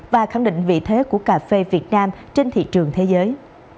và khẳng định vị thế của cà phê việt nam trên thị trường thế giới